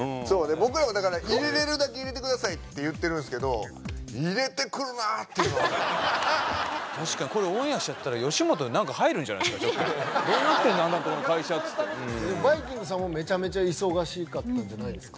僕らも入れれるだけ入れてくださいって言ってるんすけどっていうのはこれオンエアしちゃったら吉本に何か入るんじゃないっすかどうなってんだあなたの会社っつってバイきんぐさんもめちゃめちゃ忙しかったんじゃないんですか？